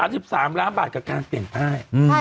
๓๓ล้านบาทกับการเปลี่ยนป้าย